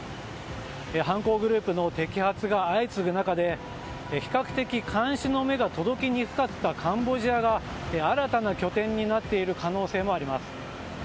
犯行グループの摘発が相次ぐ中で比較的監視の目が届きにくかったカンボジアが新たな拠点になっている可能性もあります。